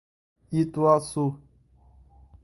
Ituaçu